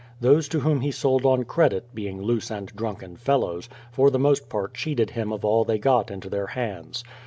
Those to whom he sold on credit, being loose and drunken fellows, for the most part cheated him of all they got into their hands.